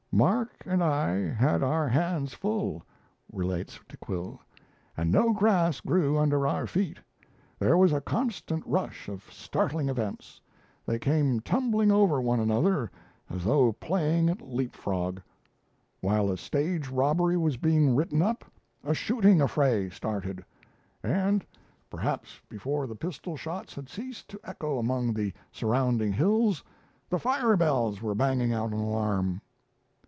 "Mark and I had our hands full," relates De Quille, "and no grass grew under our feet. There was a constant rush of startling events; they came tumbling over one another as though playing at leap frog. While a stage robbery was being written up, a shooting affray started; and perhaps before the pistol shots had ceased to echo among the surrounding hills, the firebells were banging out an alarm."